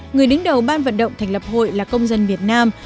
người đứng đầu ban vận động thành lập hội là công dân việt nam